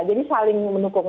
jadi saling mendukung